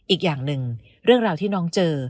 อีกอย่างหนึ่งเรื่องราวที่น้องเจอ